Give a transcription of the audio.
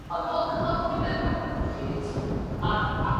ფრანგული ენის საფუძველზე შეიქმნა კრეოლური ენები.